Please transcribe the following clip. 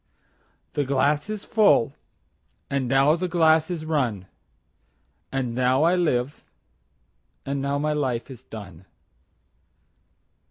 17The glass is full, and now the glass is run,18And now I live, and now my life is done.